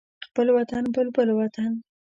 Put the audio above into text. خپل وطن بلبل وطن